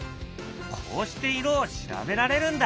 こうして色を調べられるんだ。